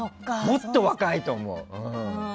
もっと若いと思う。